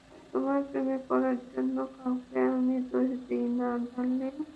তোমার প্রেমে পড়ার জন্য কাউকে আমি দোষ দিই না, ডার্লিং।